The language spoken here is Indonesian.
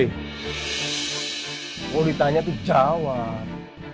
kalau ditanya tuh jawab